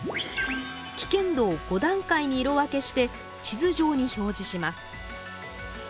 危険度を５段階に色分けして地図上に表示します。